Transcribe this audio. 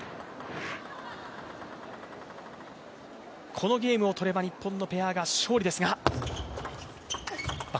このゲームを取れば日本のペアが勝利ですが。